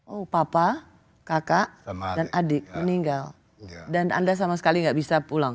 oh papa kakak dan adik meninggal dan anda sama sekali nggak bisa pulang